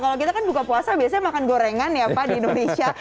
kalau kita kan buka puasa biasanya makan gorengan ya pak di indonesia